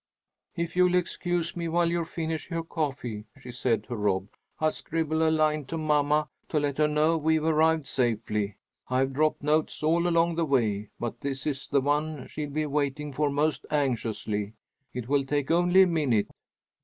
"If you'll excuse me while you finish your coffee," she said to Rob, "I'll scribble a line to mamma to let her know we've arrived safely. I've dropped notes all along the way, but this is the one she'll be waiting for most anxiously. It will take only a minute."